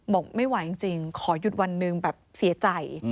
บอกไม่ไหวจริงขอหยุดวันหนึ่งแบบเสียใจ